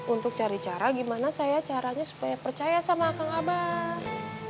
untuk cari cara gimana saya caranya supaya percaya sama kang abah